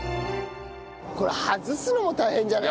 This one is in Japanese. これ外すのも大変じゃない？